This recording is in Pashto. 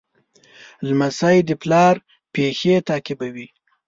لمسی د پلار پېښې تعقیبوي.